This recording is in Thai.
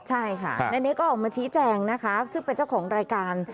ใช่ค่ะอันนี้ก็ออกมาชี้แจงนะคะซึ่งเป็นเจ้าของรายการ